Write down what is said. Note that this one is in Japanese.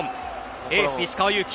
エース、石川祐希。